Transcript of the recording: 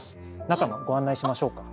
中のご案内しましょうか。